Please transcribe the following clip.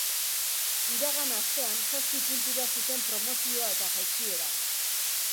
Iragan astean zazpi puntura zuten promozioa eta jaitsiera.